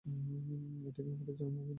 এটা কী আমাদের জন্মভূমি নয়?